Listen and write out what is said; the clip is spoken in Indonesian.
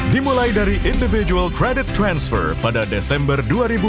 dimulai dari individual credit transfer pada desember dua ribu dua puluh